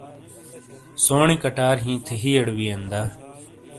سونی کَٹار ہِیں تھے ہِئیے ڑے وِیئین دا؟